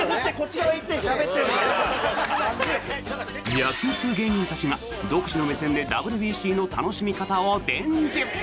野球通芸人たちが独自の目線でＷＢＣの楽しみ方を伝授。